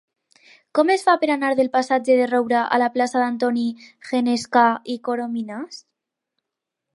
Com es fa per anar del passatge de Roura a la plaça d'Antoni Genescà i Corominas?